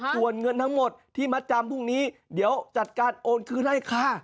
ส่วนเงินทั้งหมดที่มัดจำพรุ่งนี้เดี๋ยวจัดการโอนคืนให้ค่ะ